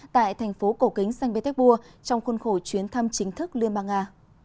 tại thành phố cổ kính sanh bế téc bua trong khuôn khổ chuyến thăm chính thức liên bang nga